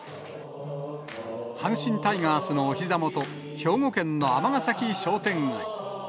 阪神タイガースのおひざ元、兵庫県の尼崎商店街。